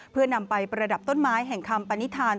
เพื่อนำไปประดับต้นไม้แห่งคำปณิธาน